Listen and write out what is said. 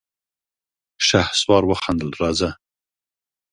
شهسوار وخندل: راځه!